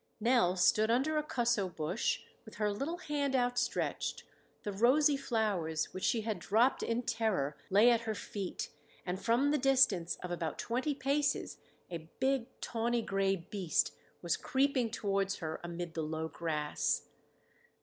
Nell stood under a cusso bush with her little hand outstretched; the rosy flowers, which she had dropped in terror, lay at her feet, and from the distance of about twenty paces a big tawny gray beast was creeping towards her amid the low grass.